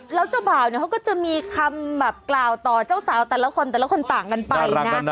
แล้วเจ้าบ่าวเนี่ยเขาก็จะมีคำแบบกล่าวต่อเจ้าสาวแต่ละคนแต่ละคนต่างกันไปนะ